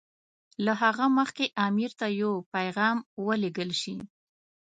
له هغه مخکې امیر ته یو پیغام ولېږل شي.